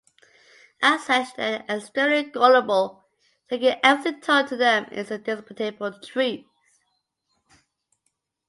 As such they are extremely gullible, taking everything told to them as indisputable truth.